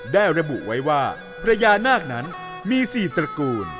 ได้ระบุไว้ว่าพญานาคนั้นมี๔ตระกูล